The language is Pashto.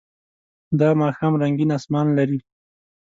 دا ماښام رنګین آسمان لري.